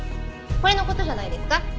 これの事じゃないですか？